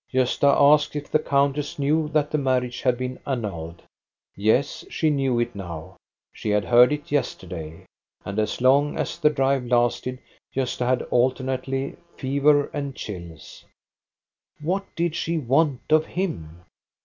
Gc5sta asked if the countess knew that the mar riage had been annulled. Yes, she knew it now. She had heard it yesterday. And as long as the drive lasted Gosta had alter nately fever and chills. What did she want of him